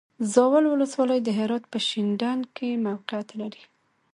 زاول ولسوالی د هرات په شینډنډ کې موقعیت لري.